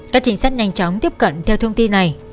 các chính sách nhanh chóng tiếp cận theo thông tin này